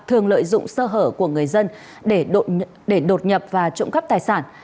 thường lợi dụng sơ hở của người dân để đột nhập và trộm cắp tài sản